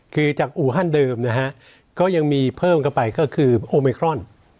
คือจากอู่ฮั่นเดิมนะฮะก็ยังมีเพิ่มเข้าไปก็คือโอมิครอน